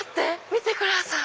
見てください。